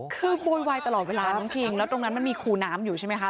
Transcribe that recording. คือโวยวายตลอดเวลาน้องคิงแล้วตรงนั้นมันมีคูน้ำอยู่ใช่ไหมคะ